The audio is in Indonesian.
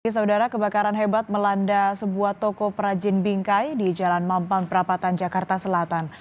saudara kebakaran hebat melanda sebuah toko perajin bingkai di jalan mampang perapatan jakarta selatan